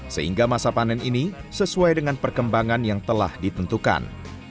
sehingga masa panen ini sesuai dengan perkembangan yang telah ditentukan